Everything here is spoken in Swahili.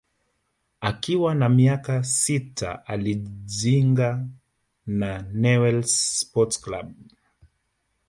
Akiwa na miaka sita alijinga na Newells sport club